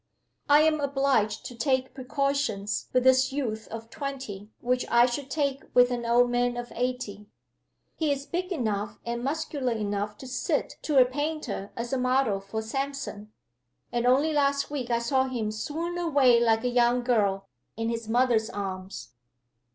I am obliged to take precautions with this youth of twenty which I should take with an old man of eighty. He is big enough and muscular enough to sit to a painter as a model for Samson and only last week I saw him swoon away like a young girl, in his mother's arms."